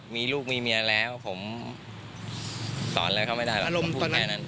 มีลูกมีเมียแล้วผมสอนอะไรเขาไม่ได้หรอกผมพูดแค่นั้น